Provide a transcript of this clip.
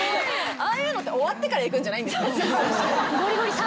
ああいうのって終わってから行くんじゃないんですね。